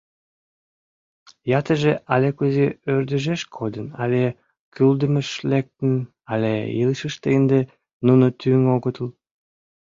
Ятырже ала-кузе ӧрдыжеш кодын але кӱлдымыш лектын, але илышыште ынде нуно тӱҥ огытыл.